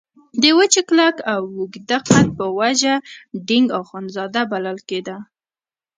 د وچ کلک او اوږده قد په وجه ډینګ اخندزاده بلل کېده.